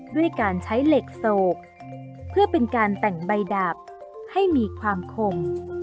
ด้วยการใช้เหล็กโศกเพื่อเป็นการแต่งใบดาบให้มีความคง